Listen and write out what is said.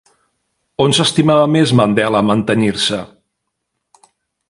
On s'estimava més Mandela mantenir-se?